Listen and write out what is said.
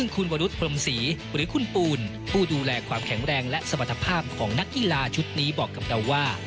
คุณวรุษพรมศรีหรือคุณปูนผู้ดูแลความแข็งแรงและสมรรถภาพของนักกีฬาชุดนี้บอกกับเราว่า